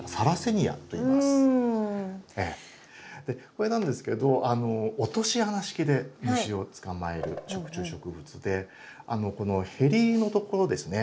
これなんですけど落とし穴式で虫を捕まえる食虫植物でこのヘリのところですね